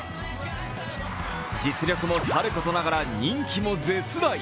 実力もさることながら、人気も絶大。